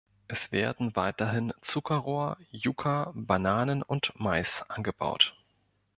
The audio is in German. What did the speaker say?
Es werden weiterhin Zuckerrohr, Yuca, Bananen und Mais angebaut.